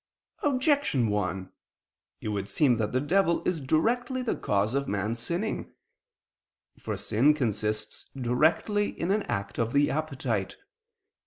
Objection 1: It would seem that the devil is directly the cause of man's sinning. For sin consists directly in an act of the appetite.